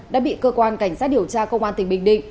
đã bị cơ quan cảnh sát điều tra công an tỉnh bình định